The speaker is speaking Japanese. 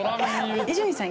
伊集院さん